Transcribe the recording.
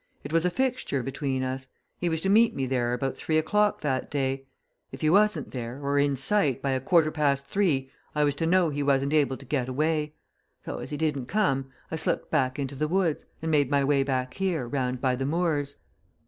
"It was a fixture between us he was to meet me there about three o'clock that day. If he wasn't there, or in sight, by a quarter past three I was to know he wasn't able to get away. So as he didn't come, I slipped back into the woods, and made my way back here, round by the moors."